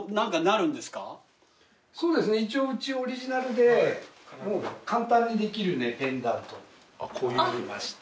そうですねうちオリジナルで簡単にできるペンダントありまして。